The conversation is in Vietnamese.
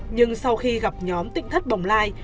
nhưng sau khi gặp nhóm tịnh thất bồng lai